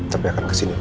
tapi akan kesini lagi